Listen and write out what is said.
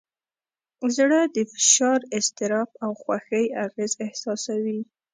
زړه د فشار، اضطراب، او خوښۍ اغېز احساسوي.